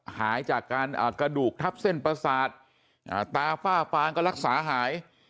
หายจากการกระดูกทับเส้นประสาทตาฝ้าฟางก็รักษาหาย